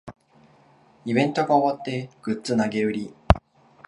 イベントが終わってグッズ投げ売り